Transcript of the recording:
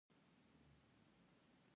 موږ دغه مثال په ګواتیلا کې په ښه توګه ولیده.